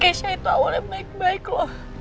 keisha itu aku apa baik baik lo